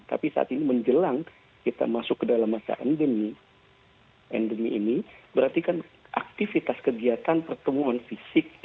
tapi saat ini menjelang kita masuk ke dalam masa pandemi ini berarti kan aktivitas kegiatan pertemuan fisik